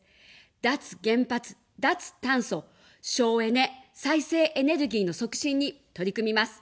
脱原発、脱炭素、省エネ、再生エネルギーの促進に取り組みます。